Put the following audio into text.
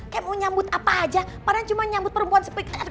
kayak mau nyambut apa aja padahal cuma nyambut perempuan